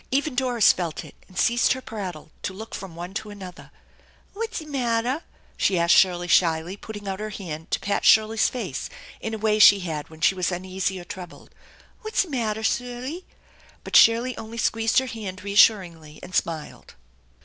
Even Doris felt it, and ceased her prattle to look from one to another. "Whatzie mattah ?" she asked Shirley shyly, putting out her hand to 132 THE ENCHANTED BARN i?at Shirley's face in a way she had when sne was uneasy 01 troubled. " W hatzie mattah, Surly?" But Shirley only squeezed her hand reassuringly, and smiled.